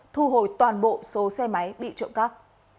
thu hồi toàn bộ số xe máy bị trộm cắp